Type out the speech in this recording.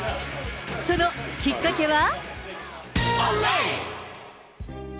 そのきっかけは？